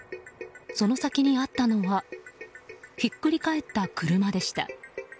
その先にあったのはひっくり返った車でした。